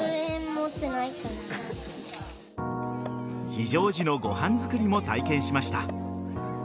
非常時のご飯作りも体験しました。